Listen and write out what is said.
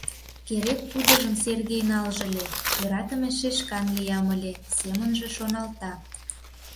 «Керек-кудыжым Сергей налже ыле, йӧратыме шешкан лиям ыле», — семынже шоналта.